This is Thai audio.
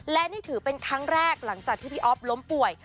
และนี่ถือเป็นครั้งแรกหลังจากที่พี่อ๊อฟล้มป่วย